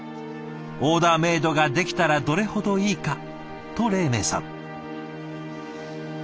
オーダーメードができたらどれほどいいかと黎明さん。